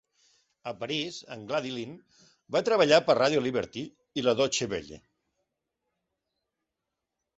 A París, en Gladilin va treballar per Radio Liberty i la Deutsche Welle.